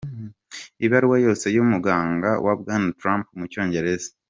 Ibaruwa yose y'umuganga wa Bwana Trump mu Cyongereza:.